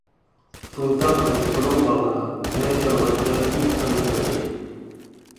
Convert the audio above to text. سۇنسا قىلىچ سۇنىڭ باغرىدا، نەي چالغانچە ئۆتسەڭ كۆۋرۈكتىن.